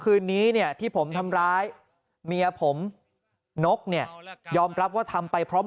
คืนนี้เนี่ยที่ผมทำร้ายเมียผมนกเนี่ยยอมรับว่าทำไปเพราะ